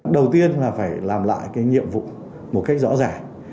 đầu tiên là phải làm lại cái nhiệm vụ một cách rõ ràng